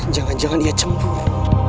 jangan jangan ia cemburu